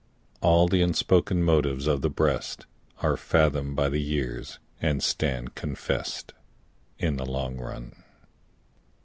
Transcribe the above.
All the unspoken motives of the breast Are fathomed by the years and stand confess'd In the long run.